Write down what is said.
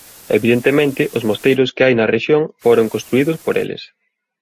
Evidentemente os mosteiros que hai na rexión foron construídos por eles.